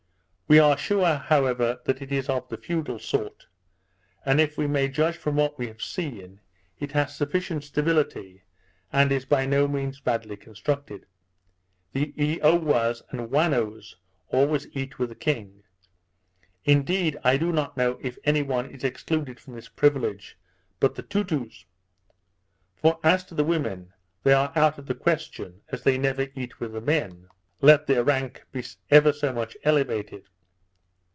We are sure, however, that it is of the feudal kind; and if we may judge from what we have seen, it has sufficient stability, and is by no means badly constructed. The Eowas and Whannos always eat with the king; indeed I do not know if any one is excluded from this privilege but the Toutous. For as to the women, they are out of the question, as they never eat with the men, let their rank be ever so much elevated.